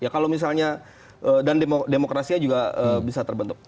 kalau misalnya dan demokrasinya juga bisa terbentuk